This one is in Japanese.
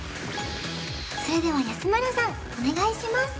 それでは安村さんお願いします